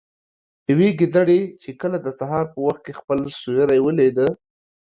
يوې ګيدړې چې کله د سهار په وخت كې خپل سيورى وليده